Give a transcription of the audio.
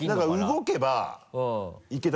動けばいける。